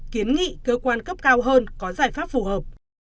kiến nghị cơ quan cấp cao hơn có giải pháp phù hợp